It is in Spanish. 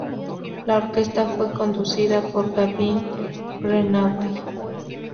La orquesta fue conducida por Gavin Greenaway.